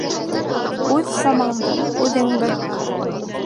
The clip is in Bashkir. Үҙ саманды үҙең бел.